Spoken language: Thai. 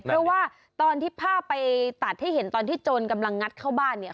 เพราะว่าตอนที่ภาพไปตัดให้เห็นตอนที่โจรกำลังงัดเข้าบ้านเนี่ย